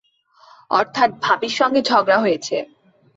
অর্থাৎ ভাবির সঙ্গে ঝগড়া হয়েছে।